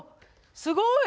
すごい。